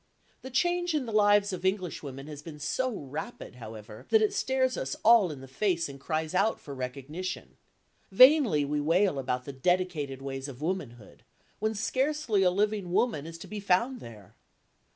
The change in the lives of Englishwomen has been so rapid, however, that it stares us all in the face and cries out for recognition. Vainly we wail about the dedicated ways of womanhood, when scarcely a living woman is to be found there.